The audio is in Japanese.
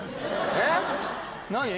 えっ何？